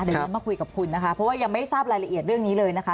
เดี๋ยวฉันมาคุยกับคุณนะคะเพราะว่ายังไม่ทราบรายละเอียดเรื่องนี้เลยนะคะ